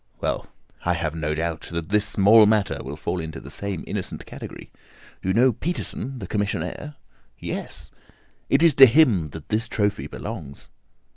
Well, I have no doubt that this small matter will fall into the same innocent category. You know Peterson, the commissionaire?" "Yes." "It is to him that this trophy belongs."